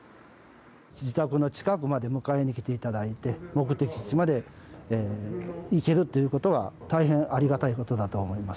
自宅の近くまで迎えに来ていただいて目的地まで行けるということは大変ありがたいことだと思います。